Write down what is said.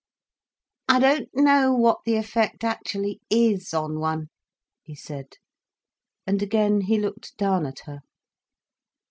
"I don't know what the effect actually is, on one," he said, and again he looked down at her.